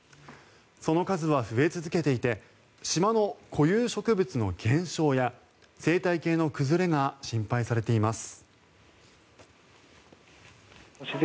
その数は増え続けていて島の固有植物の減少や生態系の崩れが心配されています。